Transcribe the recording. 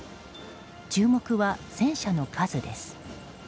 注目は戦車の数です。